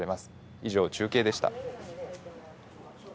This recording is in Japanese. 以上、中継でした。